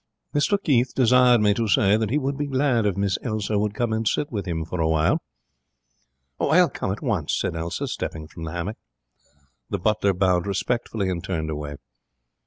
'Mr Keith desired me to say that he would be glad if Miss Elsa would come and sit with him for a while.' 'I'll come at once,' said Elsa, stepping from the hammock. The butler bowed respectfully and turned away.